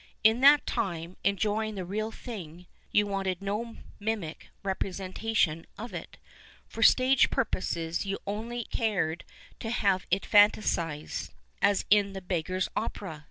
In that time, enjoying the real thing, you wanted no mimic repre sentation of it. For stage purposes you only cared to have it fantasticated — as in The Beggar's Opera.